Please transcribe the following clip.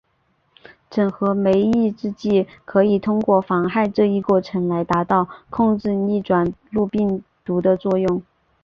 整合酶抑制剂可以通过妨害这一过程来达到控制逆转录病毒的作用。